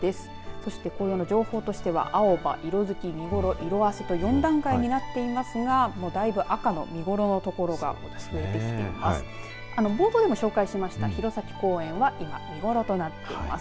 そして紅葉の情報としては青葉、色づき、見頃、色あせと４段階になっていますがだいぶ赤の見頃の所が増えてきています。